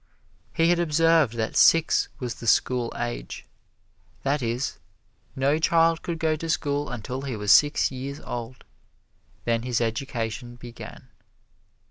He had observed that six was the "school age." That is, no child could go to school until he was six years old then his education began.